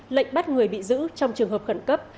lệnh bắt người bị giữ trong trường hợp khẩn cấp